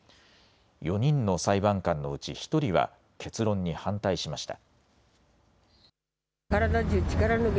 ４人の裁判官のうち、１人は結論に反対しました。